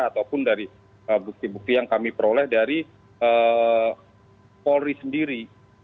ataupun dari bukti bukti yang kami peroleh dari polri sendiri